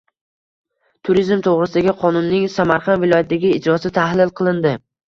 “Turizm to‘g‘risida”gi qonunning Samarqand viloyatidagi ijrosi tahlil qilindi